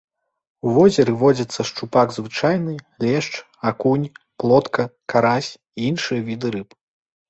У возеры водзяцца шчупак звычайны, лешч, акунь, плотка, карась і іншыя віды рыб.